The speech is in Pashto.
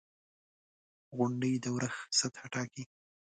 • غونډۍ د اورښت سطحه ټاکي.